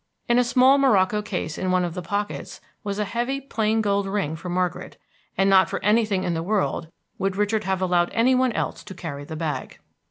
In a small morocco case in one of the pockets was a heavy plain gold ring for Margaret, and not for anything in the world would Richard have allowed any one else to carry the bag.